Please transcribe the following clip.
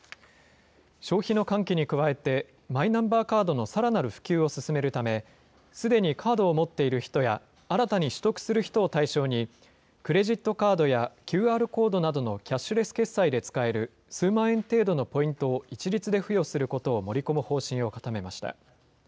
消費の喚起に加えて、マイナンバーカードのさらなる普及を進めるため、すでにカードを持っている人や、新たに取得する人を対象に、クレジットカードやＱＲコードなどのキャッシュレス決済などで使える数万円程度のポイントを一律で付与することを盛り込む方針を固めました。